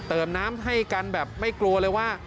น้ำให้กันแบบไม่กลัวเลยว่า